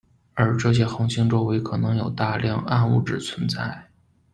而这些恒星周围可能有大量暗物质存在。